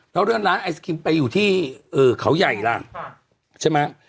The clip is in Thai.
เราเลื่อนร้านไอศกรีมไปอยู่ที่เออเขาใหญ่ล่ะใช่ไหม